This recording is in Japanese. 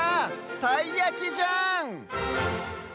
たいやきじゃん！